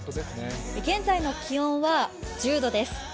現在の気温は１０度です。